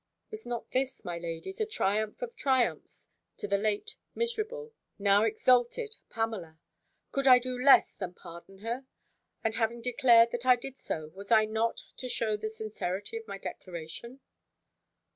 Was not this, my ladies, a triumph of triumphs to the late miserable, now exalted, Pamela! could I do less than pardon her? And having declared that I did so, was I not to shew the sincerity of my declaration?